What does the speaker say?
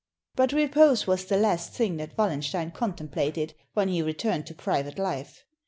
But repose was the last thing that Wallenstein con templated when he returned to private life.